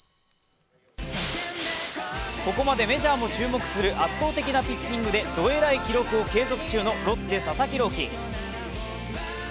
ここまでメジャーも注目する圧倒的なピッチングでどえらい記録を継続中のロッテ・佐々木朗希。